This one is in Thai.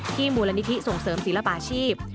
มูลนิธิส่งเสริมศิลปาชีพ